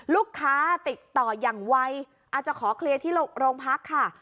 ลูกค้าติดต่ออย่างไวอาจจะขอเคลียร์ที่โรงพักค่ะ